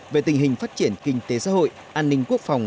về tình hình phát triển kinh tế xã hội an ninh quốc phòng